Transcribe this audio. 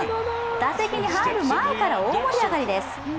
打席に入る前から大盛り上がりです。